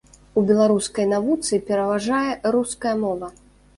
У беларускай навуцы пераважае руская мова.